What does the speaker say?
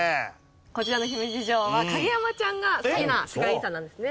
こちらの姫路城は影山ちゃんが好きな世界遺産なんですね。